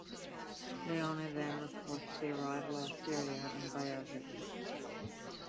Leone then reports the arrival of Asteria and Bajazet.